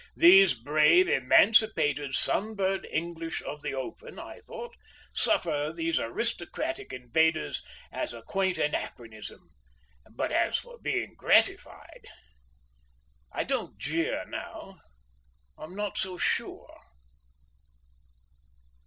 These brave emancipated sunburnt English of the open, I thought, suffer these aristocratic invaders as a quaint anachronism, but as for being gratified—! I don't jeer now. I'm not so sure.